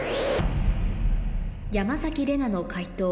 山崎怜奈の解答